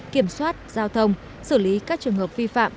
kiểm soát giao thông xử lý các trường hợp vi phạm